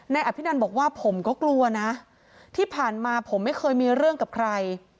อภินันบอกว่าผมก็กลัวนะที่ผ่านมาผมไม่เคยมีเรื่องกับใคร